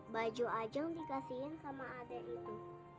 baju aja yang dikasihin sama ade itu